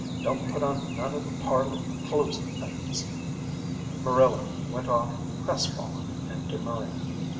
Don't put on none o' the parlor cluset things." Marilla went off crestfallen and demurring.